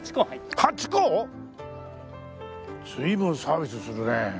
随分サービスするね。